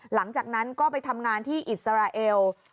หลังจากนั้นก็ไปทำงานที่อิสราเอล